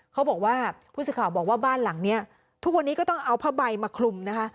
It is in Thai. เขาบอกว่าผู้สื่อข่าวบอกว่าบ้านหลังนี้ทุกวันนี้ก็ต้องเอาผ้าใบมาคลุมนะคะ